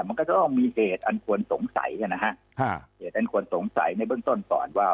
มันก็จะต้องมีเหตุอันควรสงสัยนะฮะเหตุอันควรสงสัยในเบื้องต้นก่อนว่า